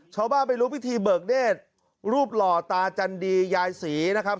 ชาวบ้านไปรู้พิธีเบิกเนธรูปหล่อตาจันดียายศรีนะครับ